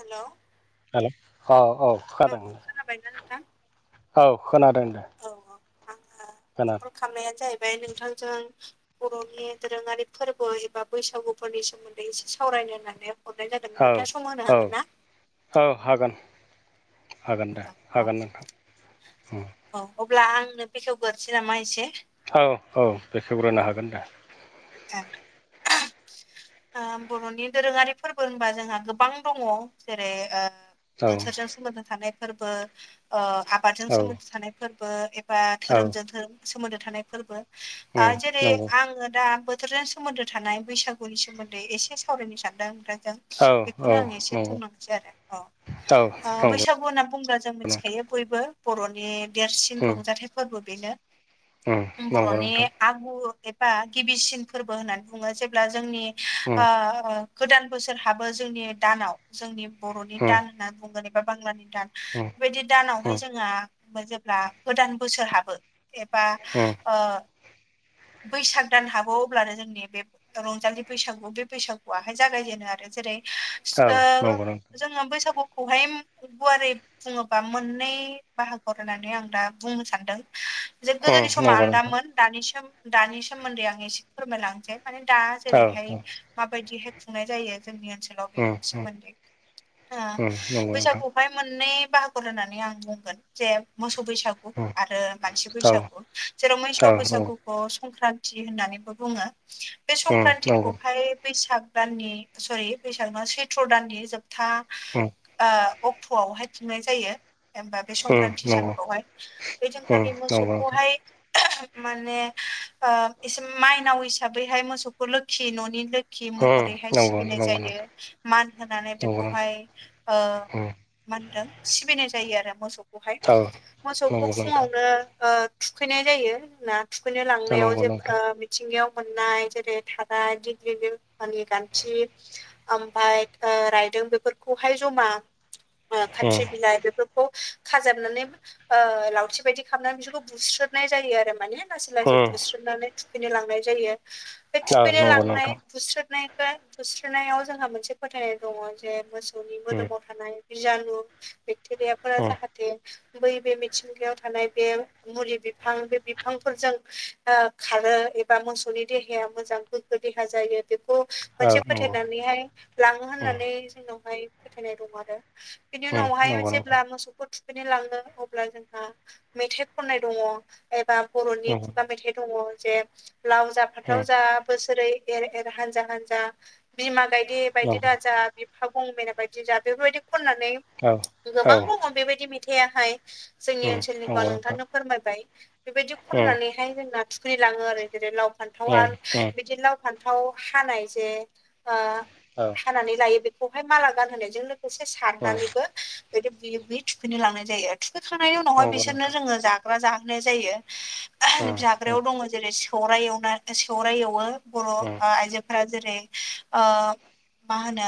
Hello hello औ औ खोनादों नाबायना नोंथा औ खोनादों दे औ आ खोनादों खामनाया जाहैबाय नोंथांजों बर'नि दोरोङारि फोरबो एबा बैसागुफोरनि सोमोन्दै एसे सावरायनो होननानै हरनाय जादोंमोन औ नोंथाङा सम होनो औ हागोन ना? औ हागोन हागोन दे औ हागोन नोंथां ओम औ अब्ला आंनो बेखेवगोरोसै नामा एसे औ औ बेखेवग्रोनो हागोन दा [unintelligible] आ बर'नि दोरोङारि फोरबो होनबा जोंहा गोबां दङ जेरै ओ औ बोसोरजों सोमोन्दो थानाय फोरबो आबादजों औ सोमोन्दो थानाय फोरबो एब बा औ धोरोमजों सोमोन्दो थानाय फोरबो आ उम जेरै नंगौ आङो दा बोथोरजों सोमोन्दो थानाय बैसागुनि सोमोन्दै एसे सावरायनो सानदों ओमफ्राय जों औ औ बेखौनो आं एसे नंगौ बुंलांसै आरो औ अ ओ नंगौ बैसागु होनना बुंब्ला जों मिथिखायो बयबो बर'नि देरसिन नोंथां रंजाथाइ फोरबो बेनो नंगौ बर'नि नोंथां आगु एबा गिबिसिन फोरबो होननानै बुङो जेब्ला जोंनि उम आ गोदान बोसोरहाबो जोंनि दानाव जोंनि बर'नि उम दान होननानै बुंगोन एबा बांलानि दान उम बेबायदि दानावहाय उम जोङो जेब्ला गोदान बोसोर हाबो एबा ओ ओ बैसाग दान हागौ अब्लानो जोंनि बे रंजालि बैसागु बे बैसागुआाहाय जागायजेनो आरो जेरै ओ नंगौ नोंथां जोङो बैसागुखौहाय गुवारै बुङोबा मोननै बाहागो होननानै आं दा बुंनो सानदों जों उम गोदोनि समा नंगौ नोंथां आलदामोन दानि सम दानि सोमोन्दै आं एसे फोरमायलांसै माने दा औ जेरैहाय माबायदिहाय खुंनाय जायो जोंनि ओनसोलाव बेनि औ सोमोन्दै उम ओ उम नंगौ नोंथां बैसागु बेवहाय मोननै बाहागुर होननानै आं बुंगोन जे मोसौ बैसागु उम आरो मानसि औ बैसागु जेराव मैसौ नंगौ बैसागुखौ संक्रान्ति होननानै बो बुङो बे उम नंगौ संक्रान्तिखौहाय बैसाग दाननि सरि बैसाग सैथ्र' दाननि जोबथा उम आ अक अट'आवहाय थिंनाय जायोबा बे उम संक्रान्ति नंगौ सानखौहाय बे उम जोंखालि नंगौ नोंथां मोसौखौहाय माने ओ एसे माइनाव हिसाबैहाय मोसौखौ लोखि न'नि लो खि उम महरैहाय नंगौ सिबिनाय नंगौ जायो नोंथां मान होनानै नंगौ बेखौहाय नोंथां ओ उम मा होनदों सिबिनाय जायो आरो मोसौखौहाय औ मोसौखौ नंगौ नोंथां फुङावनो ओ थुखैनाय जायो ना थुखैनो लांनायाव नंगौ जे नोंथां ओ मिथिंगायाव मोननाय जेरै थाराय दिग [unintelligible] गान्थि ओमफाय ओ रायदों बेफोरखौहाय जमा ओ उम खाथ्रि बिलाइ बेफोर खौ खाजाबनानै ओ लावथि बायदि खामना बिसोरखौ बुस्रोननाय जायो आरो माने लासै उम औ लासै बुस्रोमनानै थुखैनो लांनाय जायो। बे थुखैनो नंगौ लांनाय नोंथां बुस्रोदनायखो बुस्रोननायाव जोंहा मोनसे फोथायनाय दङ जे मोस [unintelligible] नि उम मोदोमाव थानाय बिजानु बेक्टेरियाफोरा उम औ जाहाथ ते बै बे मिथिंगायाव थानाय बे मुलि बिफां बे बिफांफोरजों ओ खार ओ एबा मोसौनि देहाया मोजां गोगो देहा जायो बेखौ मोनसे नंगौ फोथायनानैहाय लाङो उम होननानै जोंनाव हाय फोथायनाय दं आरो बिनि उम उनावहाय नंगौ नोंथां जेब्ला मोसौखौ थुखैनो लाङो अब्ला जोंहा मेथाइ खननाय दङ एबा बर'नि नंगौ खुगा मेथाइ दङ जे लाव जा उम फानथाव जा बोसोरै एर-एर हानजा-हानजा बिमा गायदि नंगौ औ बायदि उम नंगौ नोंथां उम औ उम नंगौ नोंथां उम नंगौ नोंथां उम दाजा हागं मेना बायदि जा बेफोर बायदि खननानै गोबां नंगौ नोंथां उम औ नंगौ उम औ दङ बेबायदि मेथाइया हाय जोंनि ओनसोलनिखौ आं नोंथांनो फोरमायबाय बेबायदि खननानै हाय जोंना थुखै लाङो आरो जेरै लाव फान्थाव आर बिदि लाव फान्थाव हानाय जे ओ ओं हानानै लायो बेखौहाय माला गानहोनायजों लोगोसे सारनानैबो बिदि बुयै बुयै थुखैनो लांनाय जायो थुखैखांनायनि उनावहाय बिसोरनो जोङो जा जाग्रा जाहोनाय जायो जाग्रायाव दङ जेरै सौराय एवनाय सौराय एवो बर' ओ आइजो ओ जेरै ओ मा होनो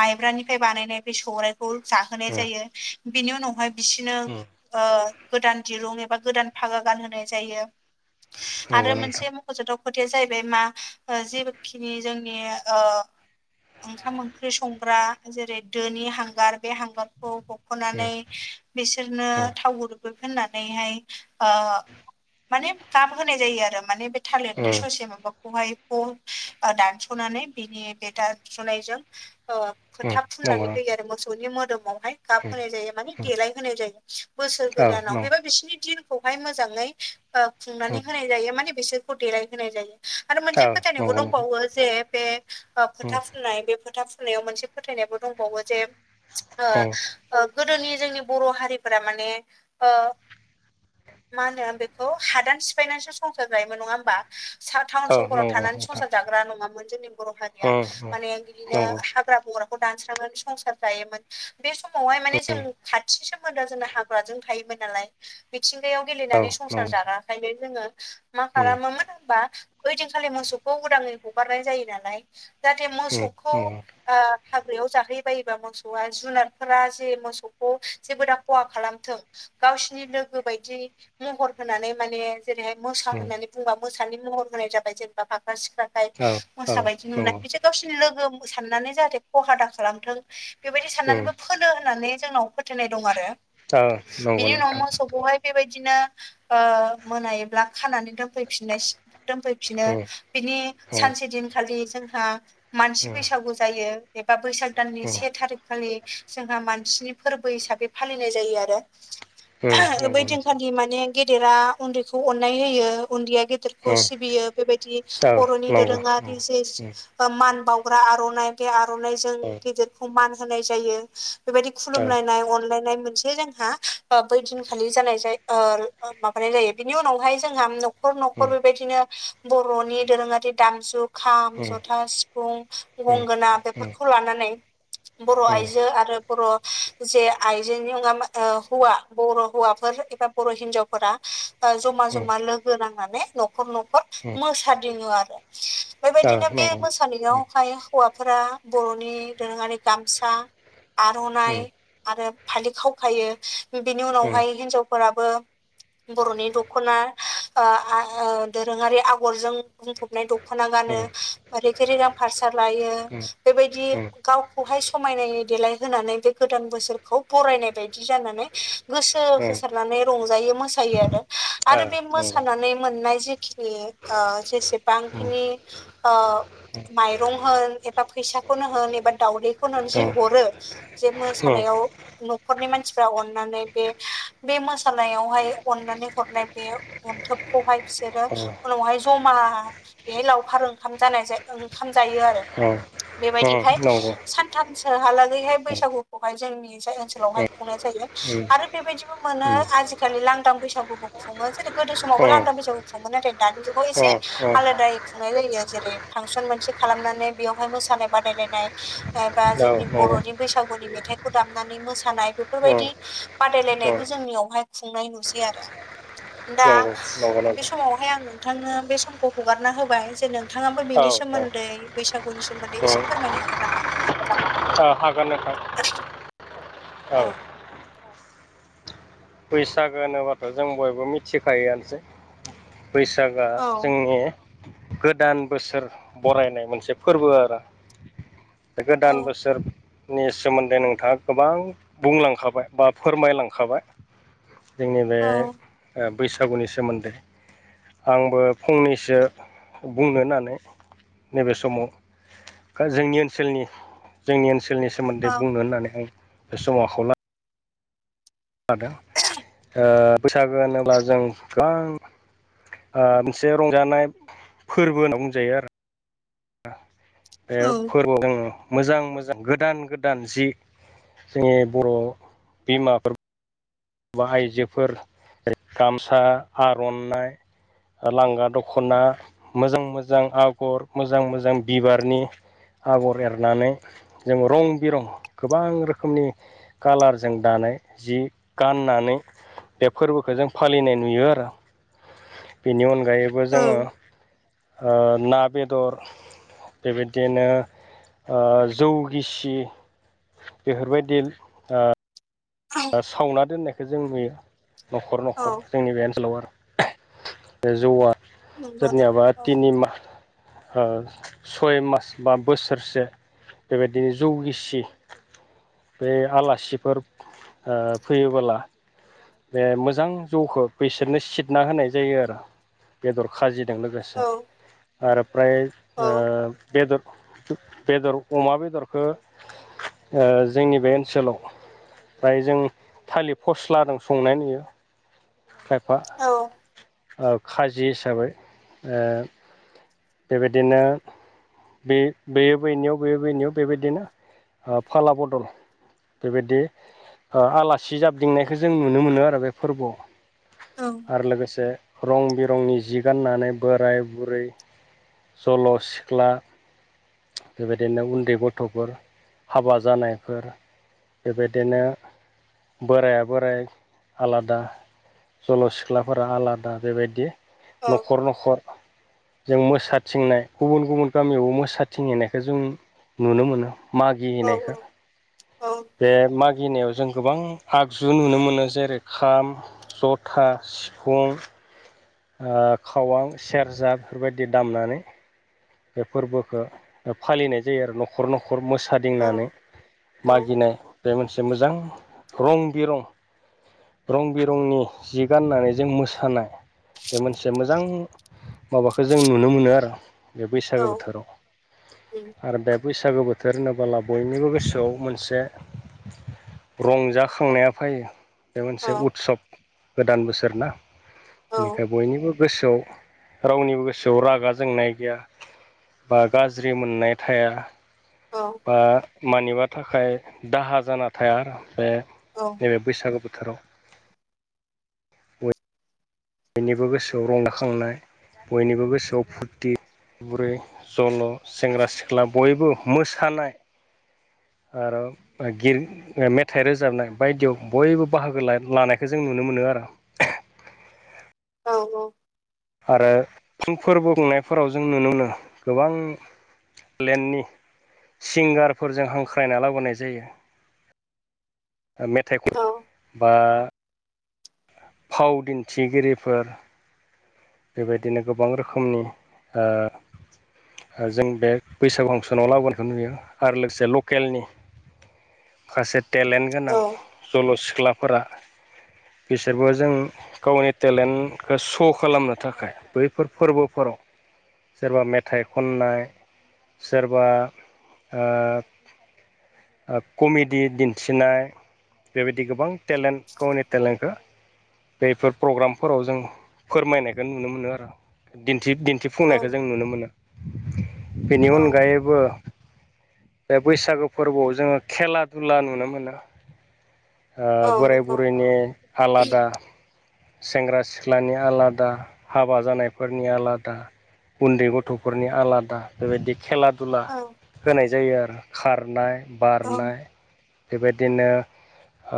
माइब्रानिफ्राय बानायनाय बे सौराय खौ जाहोनाय जायो बिनि उनावहाय बिसिनो ओ गोदान दिरुं एबा गोदान फागा गानहोनाय जायो। आरो मोनसे मख'जाथाव खोथाया जाहैबाय मा ओ जिखिनि जोंनि ओ ओंखाम-ओंख्रि संग्रा जेरै दोनि हांगार बे हांगार खौ हख'नानै बिसोरनो थाव गुदुं होननानैहाय ओ माने गाब होनाय जायो आरो माने बे थालिरनि ससे माबाखौहाय खौ ओ दानसनानै बिनि बे दानसनायजों औ फोथा फुननानै होयो आरो मोसौनि मोदोमावहाय गाब होनाय जायो माने देलाय होनाय जायो बोसोर गोदानाव बेबा बिसोरनि दिन खौहाय मोजाङै ओ खुंनानै होनाय जायो माने बिसोरखौ देलायहोनाय जायो। आरो मोनसे फोथायनाय बो नंगौ नोंथां दंबावो जे बे ओ उम फोथा फुननाय बे फोथा फुननायाव मोनसे फोथायनायबो दंबावो जे ओ औ ओ गोदोनि जोंनि बर' हारिफोरा माने ओ मा होनो बेखौ हादान सिफायनानैसो संसार जायोमोन नङा होमबा टाउन औ सहराव नंगौ थानानै नोंथां संसार जाग्रा नङा मोन जोंनि बर' हारिया ओम ओम माने बिदिनो नंगौ हाग्रा बंग्राखौ दानस्रांनानै संसार जायोमोन। बे समावहाय माने जों खाथि सोमोन्दो जोंना हाग्राजों थायोमोन नालाय मिथिंगायाव औ गेलेनानै संसार नंगौ जाग्राखायनो जोङो मा ओम खालामोमोन होनबा ओइ दिनखालि मोसौखौ उदाङै हगारनाय जायो नालाय जाहाथे ओम मोसौखौ नंगौ आ‌ हाग्रायाव जाहै बायोबा मोसौआ जुनारफोरा जे मोसौ जेबो दा खहा खालामथों गावसिनि लोगो बायदि महर होनानै माने जेरैहाय मोसा ओम होननानै बुंबा मोसानि महर होनाय जाबाय जेनेबा फाख्रा-सिख्रा औ औ मोसा बायदि नुनाय नंगौ बिसोर गावसिनि लोगो साननानै जाहाथे खहा दा खालामथों बेबायदि ओम औ साननानैबो फोनो होननानै जोंनाव फोथायनाय दं आरो नंगौ बिनि उनाव नोंथां मोसौखौहाय बेबायदिनो ओ मोनायोब्ला खानानै दोनफैफिननाय दोनफैफिनो ओम बिनि ओम सानसे दिनखालि जोंहा, मानसि ओम बैसागु जायो एबा बैसाग दाननि ओम से थारिक, खालि जोंहा मानसिनि फोरबो हिसाबै फालिनाय जायो आरो ओम [unintelligible] बै नंगौ नोंथां दिनखालि माने गेदेरा उन्दैखौ अननाय होयो उन्दैया गेदेर खौ ओम सिबियो, बेबायदि औ बर'नि नंगौ नंगौ दोरोङारि जि ओम ओ मान बावग्रा आर'नाइ बे आर'नाइजों औ गेदेरखौ मान होनाय जायो। बेबायदि औ खुलुमलायनाय अनलायनाय मोनसे जों हा बै दिनखालि जानाय जाय ओ माबानाय जायो। बिनि उनावहाय जोंहा न खर न'खर ओम बेबायदिनो बर'नि दोरोङारि दामजु खाम ओम जथा सिफुं ओम गंगोना ओम बेफोरखौ लानानै बर' ओम आइजो आरो बर' जे आइजोनि [unintelligible] ओ हौवा बर' हौवाफोर एबा बर' हिनजाव फोरा बा ज'मा ओम ज'मा लोगो नांनानै न'खर न'खर ओम मोसादिङो आरो औ बेबायदिनो बे नंगौ ओम मो [unintelligible] आवहाय हौवाफोरा बर'नि दोरोङारि गामसा ओम आर'नाइ आरो फालि खावखायो बे-बेनि उनावहाय हिनजावफोराबो बर'नि दख'ना ओ आ ओ दोरोङारि आगरजों बुंफबनाय दख खना गानो ओम औ नंगौ रेगे रेगां फारसार लायो बेबायदि गावखौहाय समायनाय देलायहोनानै बे गोदान बोसोरखौ बरायनाय बायदि जानानै गोसो ओम ओम होसारनानै रंजायो मोसायो आरो आरो बे ओम मोसानानै मोननाय जि खिनि ओ जेसेबांखिनि ओ माइरं होन एबा फैसाखौनो होन एबा दावदै [unintelligible] जि हरो जे ओम मोसानायाव न'खरनि मानसिफ्रा अननानै बे बे मोसानायावहाय अननानै हरनाय बे अन्थोबखौहाय बिसोरो उनावहाय जमा बेहाय लावखार ओंखाम जानाय जाय ओंखाम जायो आरो। ओम ओम बेबायदिहाय नंगौ सानथामसोहालागैहाय नंगौ बैसागु खौहाय जोंनि जाय ओनसोलावहाय खुंनाय जायो नंगौ नोंथां आरो बेबायदिबो मोनो आजि खालि लांदां बैसागुखौ जेरै गोदो समावबो लांदां बैसागु खुङो नाथाय दानि जुगाव एसे आलादायै खुंनाय जायो जेरै फांसन मोनसे खालामनानै बेयावहाय मोसानाय बादायलायनाय एबा जोंनि बर'नि बैसागुनि मेथाइखौ दामनानै मोसानाय बेफोरबायदि बादायलायनायबो जोंनियावहाय खुंनाय नुसै आरो। दा बे समावहाय आं नोंथांनो बे समखौ हगारना होबाय जे नों थाङाबो औ बिनि सोमोन्दै बैसागुनि सोमोन्दै एसे फोरमायनो हागोन नामा? ओ हागोन नोंथां औ। बैसागो होनोबाथ' जों बयबो मिथिखायोआनोसै बैसागआ औ जोंनि गोदान बोसोर बरायनाय मोनसे फोर्बो आरो। बे औ गोदान बोसोर नि सोमोन्दै नोंथाङा गोबां बुंलांखाबाय बा फोरमायलांखाबाय। जोंनि बे औ ओ बैसागुनि सोमोन्दै। आंबो फंनैसो बुंनो होननानै नैबे समाव खो जोंनि ओनसोलनि जोंनि ओनसोलनि औ सोमोन्दै बुंनो होननानै आं बे समाव आखाव ला लादों ओ बैसागो होनोब्ला जों गोबां ओ मोनसे रंजानाय फोर्बो होनना बुंजायो आरो। बे फोर्बोआव [unintelligible] मोजां मोजां गोदान गोदान जि जोंनि बर' बिमाफोर बा आइजोफोर गामसा आर'नाइ लांगा दख'ना मोजां मोजां आगर मोजां मोजां बिबारनि आगर एरनानै जों रं बिरं गोबां रोखोमनि कालारजों दानाय जि गाननानै बे फोरबोखौ जों फालिनाय नुयो आरो बेनि अन‌ गायैबो जोङो औ ओ ना बेदर बेबायदिनो ओ जौ गिसि बेफोरबायदि ओ औ सावना दोननायखौ जों नुयो न'खर न'खर औ जोंनि बे ओनसोलाव आरो बे जौवआ नंगौ नंगौ सोरनियाबा औ तिनि माह ओ सय मास बा बोसोरसे बेबायदिनो जौगिसि बे आलासिफोर ओ फैयोबोला बे मोजां जौखौ बिसोरनो सिदना होनाय जायो आरो बेदर खाजि जों लोगोसे आरो फ्राय औ बेदर बेदर अमा बेदरखौ जोंनि बे ओनसोलाव फ्राय जों थालिर फस्लाजों संनाय नुयो खायफा औ खाजि हिसाबै बेबायदिनो बे बेयो बैनियाव बेयो बैनियाव बेबायदिनो फाला बदल बेबायदि आलासि जाबथिंनायखौ जों नुनो मोनो आरो बे फोरबोआव औ आरो लोगोसे रं बिरंनि जि गाननानै बोराय बुरै जल' सिख्ला बेबायदिनो उन्दै गथ'फोर हाबा जानायफोर बेबायदिनो बोराइाया बोराय आलादा जल' सिख्लाफोरा आलादा बेबायदि औ न'खर न'खर जों मोसाथिंनाय गुबुन गुबुन गामियाव मोसा थिंहोननायखौ जों नुनो मोनो मागि औ होननायखौ उम औ उम बे मागिनायाव जों गोबां आगजु नुनो मोनो जेरै खाम जथा सिफुं खावां सेरजा बेफोरबायदि दामनानै बे फोरबोखौ फालिनाय जायो आरो न'खर न'खर मोसादिंनानै मागिनाय बे मोनसे मोजां रं बिरं रं बिरंनि जि गाननानै जों मोसानाय बे मोनसे मोजां माबाखौ जों नुनो मोनो आरो बे औ बैसागो बोथोराव आरो बे बैसागो बैसागु बोथोर होनोबोला बयनिबो गोसोआव मोनसे रंजाखांनाया फायो बे मोनसे उत्सब गोदान बोसोर ना बेनिखाय बयनिबो गोसोआव रावनिबो गोसोआव रागा जोंनाय गैया बा गाज्रि मोननाय थाया बा मानिबा थाखाय दाहा जाना थाया आरो बे औ नैबे बैसागो बोथोराव बयनिबो गोसोआव रंदाखांनाय बयनिबो गोसोआव फुरथि बुरै जल' सेंग्रा सिख्ला बयबो मोसानाय आरो गिर मेथाइ रोजाबनाय बायदियाव बयबो बाहागो लानायखौ जों नुनो मोनो आरो औ औ आरो फुं फोरबो खुंनायफोराव जों नुनो मोनो गोबां लेणडनि सिंगारफोरजों हांख्रायना लाबोनाय जायो मेथाइ बा फाव दिन्थिगिरिफोर बेबायदिनो गोबां रोखोमनि ओ ओ जों बे बैसागु फांसनाव लाबोनायखौ नुयो आरो लोगोसे लकेलनि माखासे टेलेन्ट गोनां जल' सिख्लाफोरा बिसोरबो जों गावनि टेलेन्टखो श' खालामनो थाखाय बैफोर फोरबोफोराव सोरबा मेथाइ खननाय सोरबा ओ ओ कमेडि दिन्थिनाय बेबायदि गोबां टेलेन्ट गावनि टेलेन्टखो बैफोर प्रग्रामफोराव जों फोरमायनायखौ नुनो मोनो आरो दिन्थि दिन्थिफुंनायखौ जों नुनो मोनो बेनि अनगायैबो बे बैसागो फोरबोआव जोङो खेला दुला नुनो मोनो बोराय नंगौ बुरैनि आलादा सेंग्रा सिख्लानि आलादा हाबा जानायफोरनि आलादा उन्दै गथ'फोरनि आलादा बेबायदि खेला दुला औ होनाय जायो आरो खारनाय औ बारनाय बेबायदिनो ओ